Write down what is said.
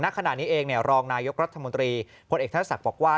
ขณะนี้เองรองนายกรัฐมนตรีพลเอกทัศศักดิ์บอกว่า